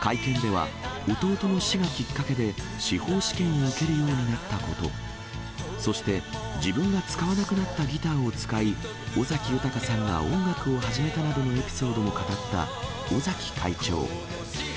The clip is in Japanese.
会見では、弟の死がきっかけで、司法試験を受けるようになったこと、そして自分が使わなくなったギターを使い、尾崎豊さんが音楽を始めたなどのエピソードも語った尾崎会長。